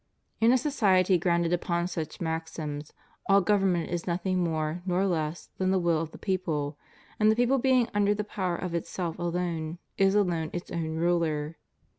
In a society grounded upon such maxims, all government is nothing more nor less than the will of the people, and the people, being under the power of itself alone, is alone its own ruler.